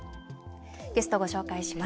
ゲスト、ご紹介します。